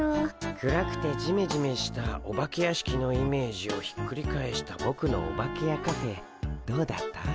暗くてジメジメしたお化け屋敷のイメージをひっくり返したボクのオバケやカフェどうだった？